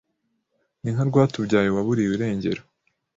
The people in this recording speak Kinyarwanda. ni nka Rwatubyaye waburiwe irengero